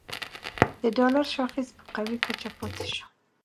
د ډالر شاخص په قوي کچه پاتې شو